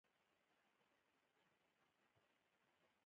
په یوازیتوب موږ ډېر کم څه کولای شو.